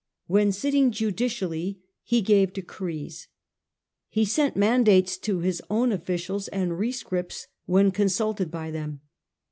When sitting judicially he gave decrees ; he sent mandates to his own officials, and rescripts when consulted by them.